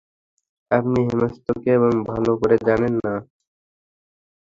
আপনি হেমন্তকে ভালো করে জানেন না।